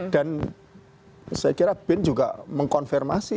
dan saya kira bin juga mengkonfirmasi